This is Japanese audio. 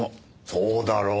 そうだろう？